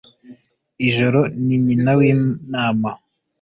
ijoro ni nyina w'inama